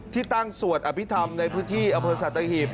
ที่ตั้งสวดอภิษฐรรมในพฤษฐศาสตร์ตะหิบ